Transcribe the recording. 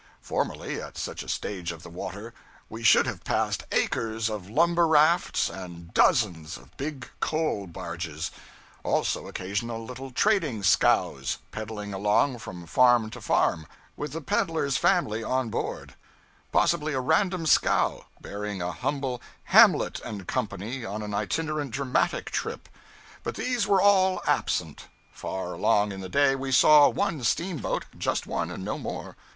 Formerly, at such a stage of the water, we should have passed acres of lumber rafts, and dozens of big coal barges; also occasional little trading scows, peddling along from farm to farm, with the peddler's family on board; possibly, a random scow, bearing a humble Hamlet and Co. on an itinerant dramatic trip. But these were all absent. Far along in the day, we saw one steamboat; just one, and no more.